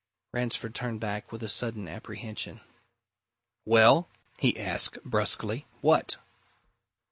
Ransford turned back with a sudden apprehension. "Well?" he asked brusquely. "What?"